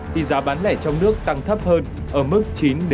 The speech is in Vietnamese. thì giá bán nẻ trong nước tăng thấp hơn ở mức chín một mươi một